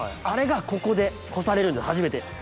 あれがここでこされるんで初めて。